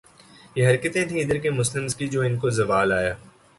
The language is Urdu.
یہ حرکتیں تھیں ادھر کے مسلمز کی جو ان کو زوال آیا